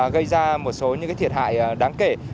gây ra một số những thiệt hại đáng khó khăn